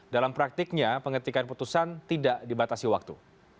dalam praktiknya pengetikan putusan tidak dibatasi waktu